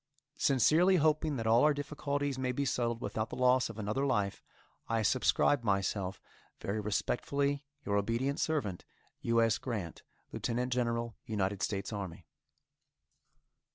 Sincerely hoping that all our difficulties may be settled without the loss of another life, I subscribe myself, Very respectfully, Your obedient servant, U. S. GRANT, Lieutenant General, United States Army.